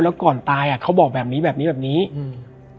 แล้วก่อนตายอ่ะเขาบอกแบบนี้แบบนี้แบบนี้แบบนี้อืม